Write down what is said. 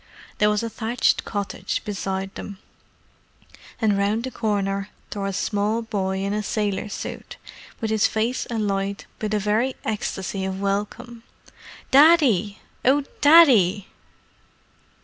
There was a thatched cottage beside them. And round the corner tore a small boy in a sailor suit, with his face alight with a very ecstasy of welcome. "Daddy! Oh, Daddy!"